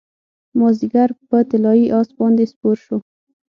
مازدیګر په طلايي اس باندې سپور شو